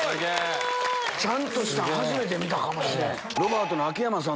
ちゃんとしたん初めて見たかもしれん。